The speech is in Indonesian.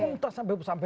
muntas sampai tidak sadar